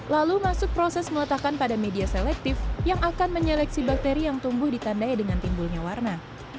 lalu masuk proses meletakkan pada media selektif yang akan menyeleksi bakteri yang tumbuh ditandai dengan timbulnya warna